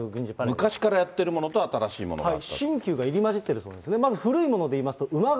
昔からやっているものと、新しいものがあると。